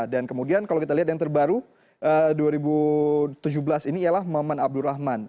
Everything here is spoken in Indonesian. dan kemudian kalau kita lihat yang terbaru dua ribu tujuh belas ini ialah maman abdurrahman